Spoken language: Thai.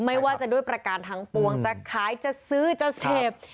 ไม่ว่าจะด้วยประการทั้งปวงจะขายจะซื้อจะเสพ